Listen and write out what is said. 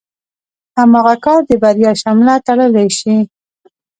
هماغه کار د بريا شمله تړلی شي.